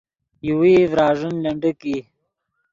یوویئی ڤراݱین لنڈیک ای